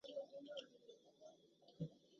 戴德洛斯以南是阿德加蓝草原以北的大草原。